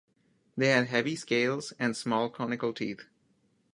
They had heavy scales, and small conical teeth.